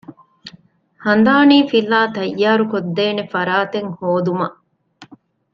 ހަނދާނީފިލާ ތައްޔާރު ކޮށްދޭނެ ފަރާތެއް ހޯދުމަށް